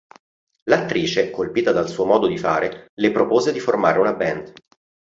L'attrice, colpita dal suo modo di fare, le propose di formare un band.